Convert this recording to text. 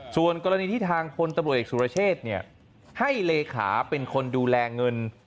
ส่วนกรณีที่ทางพลตำรวจเอกสุรเชษให้เลขาเป็นคนดูแลเงิน